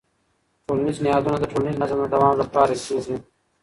ټولنیز نهادونه د ټولنیز نظم د دوام لامل کېږي.